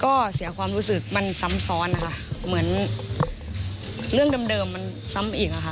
ก็เสียความรู้สึกมันซ้ำซ้อนนะคะเหมือนเรื่องเดิมมันซ้ำอีกอะค่ะ